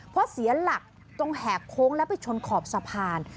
เพราะเสียหลักตรงแหกโค้งแล้วไปชนขอบสะพาน